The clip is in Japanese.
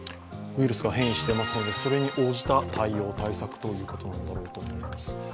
ウイルスが変異してますのでそれに応じた対応・対策ということがいわれると思います。